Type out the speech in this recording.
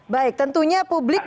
baik tentunya publik